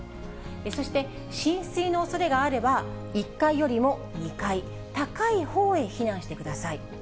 そして、浸水のおそれがあれば、１階よりも２階、高いほうへ避難してください。